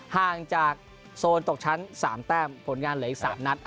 ห่างจากโซนตกชั้น๓แต้มผลงานเหลืออีก๓นัด